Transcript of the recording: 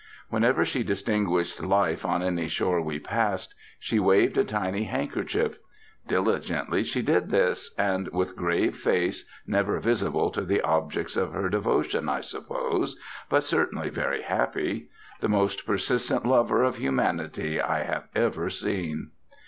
Whenever she distinguished life on any shore we passed, she waved a tiny handkerchief. Diligently she did this, and with grave face, never visible to the objects of her devotion, I suppose, but certainly very happy; the most persistent lover of humanity I have ever seen....